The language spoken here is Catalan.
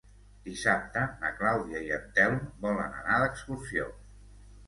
Dissabte na Clàudia i en Telm volen anar d'excursió.